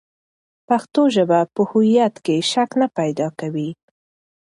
پښتو ژبه په هویت کې شک نه پیدا کوي.